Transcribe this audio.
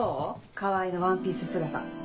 川合のワンピース姿。